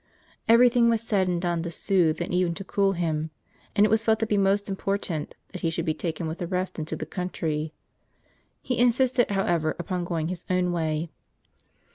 Every thing was said and done to soothe, and even to cool him ; and it was felt to be most w important that he should be taken with the rest into the country. He insisted, however, upon going his own way.